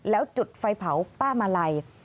แล้วจุดไฟเผาป้ามาลัย